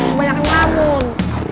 banyak yang rabun